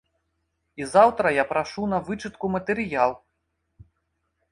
І заўтра я прашу на вычытку матэрыял!